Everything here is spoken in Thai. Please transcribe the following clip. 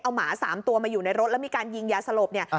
เอาหมา๓ตัวมาอยู่ในรถแล้วมีการยิงยาสลบ